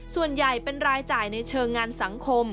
ส่วนใหญ่เป็นรายจ่ายในเชิงงานสังคม